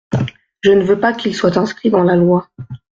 Je ne veux pas qu’il soit inscrit dans la loi.